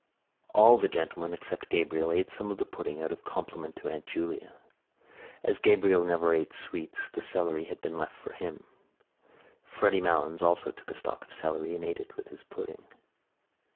All the gentlemen, except Gabriel, ate some of the pudding out of compliment to Aunt Julia. As Gabriel never ate sweets the celery had been left for him. Freddy Malins also took a stalk of celery and ate it with his pudding.